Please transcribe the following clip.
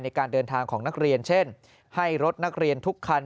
ในการเดินทางของนักเรียนเช่นให้รถนักเรียนทุกคัน